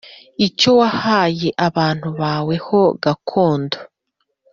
icyo wahaye abantu bawe ho gakondo